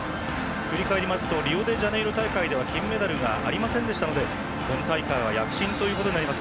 振り返りますとリオデジャネイロ大会では金メダルがありませんでしたので今大会は躍進ということになります。